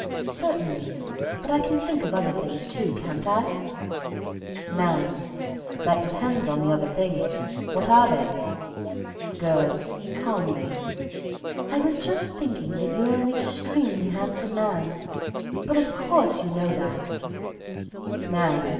"Certainly, but I can think of other things too, can't I?" MAN. "That depends on the 'other things.' What are they?" GIRL. (Calmly.) "I was just thinking that you are an extremely handsome man, but of course you know that." MAN.